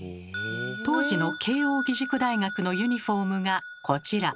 当時の慶應義塾大学のユニフォームがこちら。